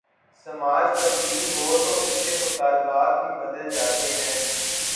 سماج تبدیل ہو تو اس کے مطالبات بھی بدل جاتے ہیں۔